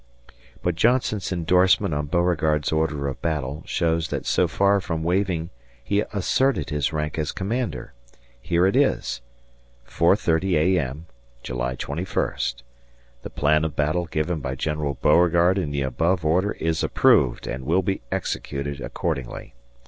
But Johnston's endorsement on Beauregard's order of battle shows that so far from waiving he asserted his rank as commander. Here it is: 4.30 A.M., July 21st. The plan of battle given by General Beauregard in the above order is approved and will be executed accordingly.